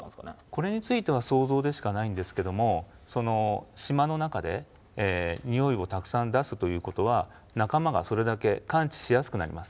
これについては想像でしかないんですけども島の中でニオイをたくさん出すということは仲間がそれだけ感知しやすくなります。